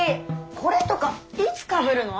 これとかいつかぶるの？